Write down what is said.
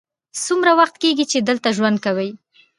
څومره وخت کیږی چې دلته ژوند کوې؟